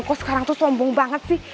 kok sekarang tuh sombong banget sih